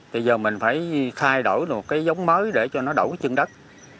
thì giờ mình phải thay đổi một cái giống mới để cho nó đổ chưng đất